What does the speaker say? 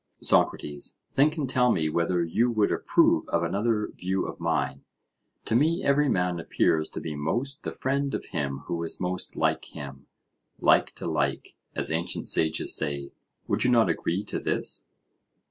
SOCRATES: Think and tell me whether you would approve of another view of mine: To me every man appears to be most the friend of him who is most like to him—like to like, as ancient sages say: Would you not agree to this?